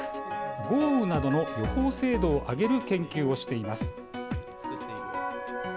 豪雨などの予報精度を上げる研究をしています。